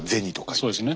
そうですね。